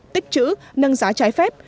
tích chữ nâng giá trái phép